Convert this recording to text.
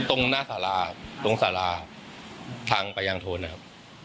ตรงหน้าสาราตรงสาราทางไปยังโทนนะครับ